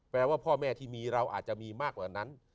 ว่าพ่อแม่ที่มีเราอาจจะมีมากกว่านั้น